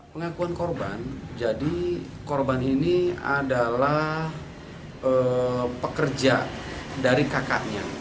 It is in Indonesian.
pengakuan korban jadi korban ini adalah pekerja dari kakaknya